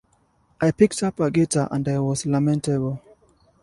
I picked up a guitar and I was lamentable.